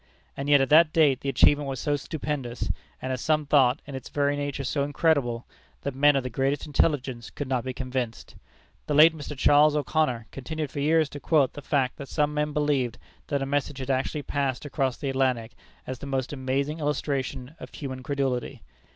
And yet at that date the achievement was so stupendous, and, as some thought, in its very nature so incredible, that men of the greatest intelligence could not be convinced. The late Mr. Charles O'Conor continued for years to quote the fact that some men believed that a message had actually passed across the Atlantic as the most amazing illustration of human credulity!